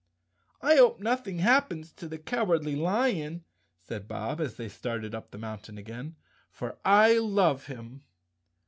"I hope nothing happens to the Cowardly Lion," said Bob, as they started up the mountain again, "for I love him."